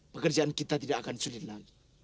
pekerjaan kita tidak akan sulit lagi